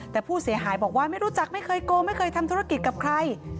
แต่ผู้เสียหายบอกว่าไม่รู้จักไม่เคยโกงไม่เคยทำธุรกิจกับใคร